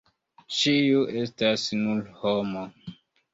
Ĉiu estas nur homo.